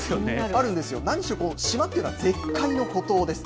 あるんですよ、何しろ島っていうのは絶海の孤島です。